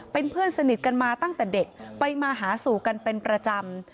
เป็นเพื่อนสนิทกันมาตั้งแต่เด็กไปมาหาสู่กันเป็นประจำ